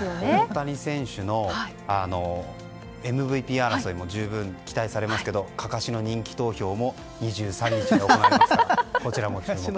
大谷選手のＭＶＰ争いも十分期待されますけどかかしの人気投票も２３日に行われますからこちらも注目です。